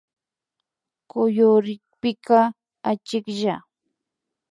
Kuyurikpika achiklla